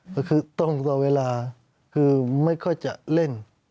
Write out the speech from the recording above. ก็คือต้องรอเวลาคือไม่ค่อยจะเล่น